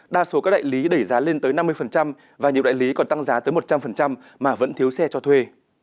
đa số các đại lý đẩy giá lên tới năm mươi và nhiều đại lý còn tăng giá tới một trăm linh mà vẫn thiếu xe cho thuê